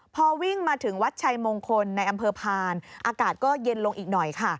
พอวิ่งมาถึงวัดชัยมงคลในอำเภอพานอากาศก็เย็นลงอีกหน่อยค่ะ